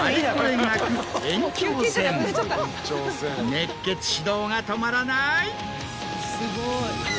熱血指導が止まらない。